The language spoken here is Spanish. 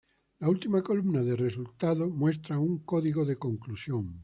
La Última columna de Resultado muestra un código de conclusión.